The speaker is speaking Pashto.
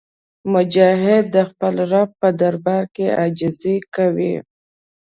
مجاهد د خپل رب په دربار کې عاجزي کوي.